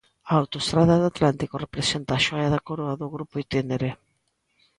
A Autoestrada do Atlántico representa a xoia da coroa do grupo Itínere.